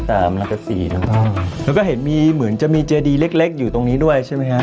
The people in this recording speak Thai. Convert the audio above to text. แต่มันก็สีแล้วก็เห็นมีเหมือนจะมีเจดีเล็กเล็กอยู่ตรงนี้ด้วยใช่ไหมฮะ